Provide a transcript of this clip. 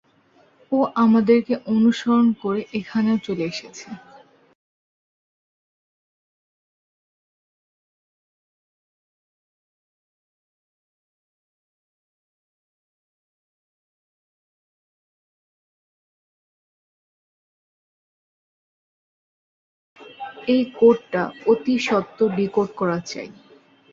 এই কোডটা অতিস্বত্বর ডিকোড করা চাই!